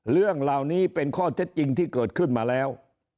เรื่องเหล่านี้เป็นข้อเท็จจริงที่เกิดขึ้นมาแล้ว